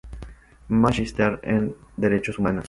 Magíster en Derechos Humanos.